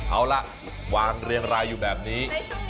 เอาล่ะวางเรียงรายอยู่แบบนี้